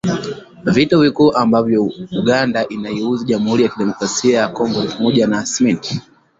Vitu vikuu ambavyo Uganda inaiuzia Jamhuri ya kidemokrasia ya Kongo ni pamoja na Simenti.